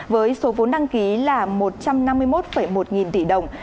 với số vốn đăng ký là một trăm năm mươi một một nghìn tỷ đồng